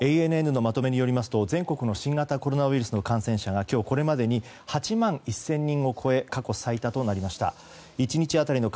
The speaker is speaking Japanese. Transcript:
ＡＮＮのまとめによりますと全国の新型コロナウイルスの感染者が、今日これまでに８万１０００人を超え過去最多となりました。